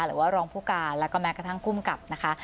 หรือว่ารองผู้การแล้วก็แม้กระทั่งภูมิกับนะคะ